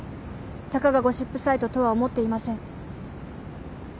たかがゴシップサイトとは思っていません。